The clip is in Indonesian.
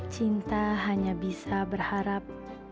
cinta hanya bisa berharap